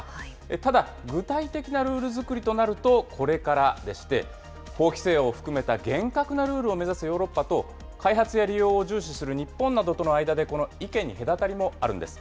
ただ、具体的なルール作りとなるとこれからでして、法規制を含めた厳格なルールを目指すヨーロッパと、開発や利用を重視する日本などとの間で、意見に隔たりもあるんです。